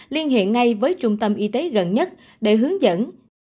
liên hệ ngay với trung tâm y tế gần nhất để hướng dẫn